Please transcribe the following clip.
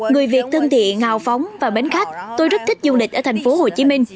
người việt thân thiện ngào phóng và bến khách tôi rất thích du lịch ở thành phố hồ chí minh